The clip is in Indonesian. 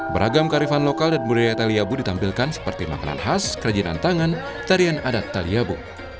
beragam karifan lokal dan budaya italiabu ditampilkan seperti makanan khas kerajinan tangan tarian adat taliabu